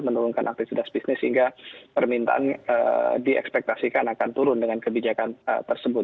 menurunkan aktivitas bisnis sehingga permintaan diekspektasikan akan turun dengan kebijakan tersebut